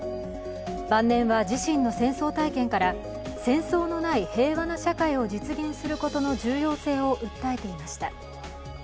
晩年は自身の戦争体験から戦争のない平和な社会を実現することの重要性を訴えていました。